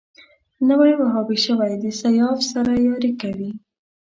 نوی وهابي شوی د سیاف سره ياري کوي